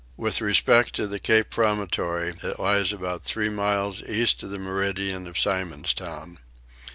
With respect to the Cape Promontory it lies about three miles east of the meridian of Simon's Town.